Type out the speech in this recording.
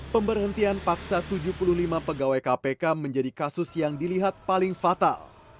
pemberhentian paksa tujuh puluh lima pegawai kpk menjadi kasus yang dilihat paling fatal